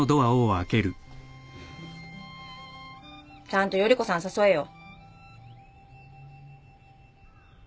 ちゃんと依子さん誘えよ。